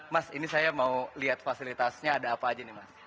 mas ini saya mau lihat fasilitasnya ada apa aja nih mas